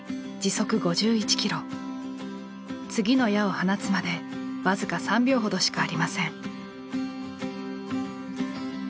次の矢を放つまで僅か３秒ほどしかありません。